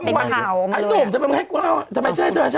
เป็นข่าวอันหนึ่งทำไมไม่ให้กูเล่าทำไมไม่ใช่ทำไมไม่ใช่